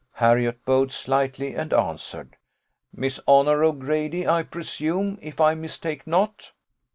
Harriot bowed slightly, and answered, 'Miss Honour O'Grady, I presume, if I mistake not.